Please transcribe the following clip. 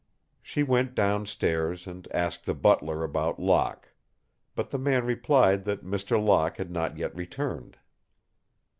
She went down stairs and asked the butler about Locke. But the man replied that Mr. Locke had not yet returned.